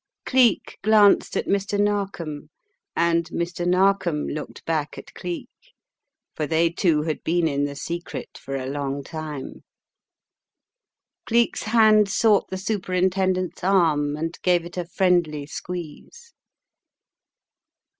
Cleek glanced at Mr. Narkom and Mr. Narkom looked back at Cleek, for they two had been in the secret for a long time. Cleek's hand sought the Superintendent's arm and gave it a friendly squeeze.